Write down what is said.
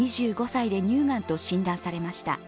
２５歳で乳がんと診断されました。